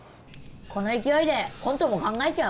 この勢いでコントも考えちゃう？